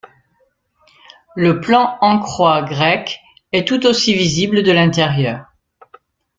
Le plan en croix grecque est tout aussi visible de l'intérieur.